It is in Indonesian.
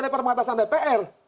yang permatasan dpr